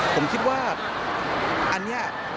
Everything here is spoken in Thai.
ผมคิดว่าอันนี้